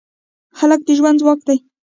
هلک د ژوند ځواک دی.